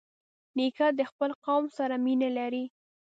نیکه د خپل قوم سره مینه لري.